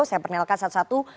saya pernialkan satu satu